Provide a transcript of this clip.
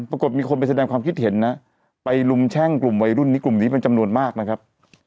ปรากฏมีคนไปแสดงความคิดเห็นนะไปลุมแช่งกลุ่มวัยรุ่นนี้กลุ่มนี้เป็นจำนวนมากนะครับ